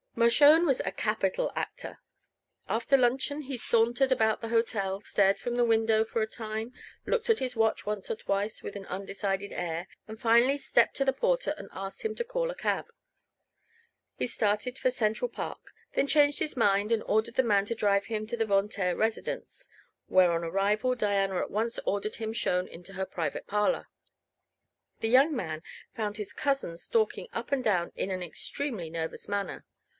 Mershone was a capital actor. After luncheon he sauntered about the hotel, stared from the window for a time, looked at his watch once or twice with an undecided air, and finally stepped to the porter and asked him to call a cab. He started for Central Park; then changed his mind and ordered the man to drive him to the Von Taer residence, where on arrival Diana at once ordered him shown into her private parlor. The young man found his cousin stalking up and down in an extremely nervous manner.